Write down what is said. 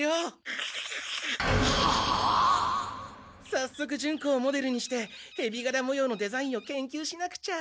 さっそくジュンコをモデルにしてヘビがらもようのデザインを研究しなくちゃ。